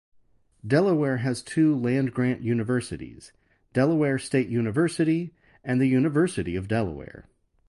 Delaware has two land-grant universities: Delaware State University and the University of Delaware.